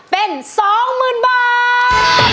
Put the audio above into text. เป็นสองหมื่นบาท